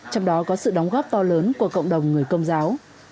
trong đó có sự đóng góp to lớn của cộng đồng người công giáo